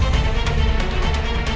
pasti kamu ngerti